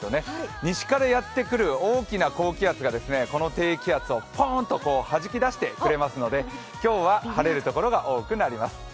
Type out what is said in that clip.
西からやってくる大きな高気圧がこの低気圧をポンをはじき出してくれますので、今日は晴れる所が多くなります。